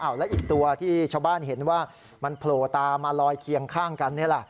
แล้วอีกตัวที่ชาวบ้านเห็นว่ามันโผล่ตามาลอยเคียงข้างกันนี่ล่ะ